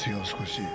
少し。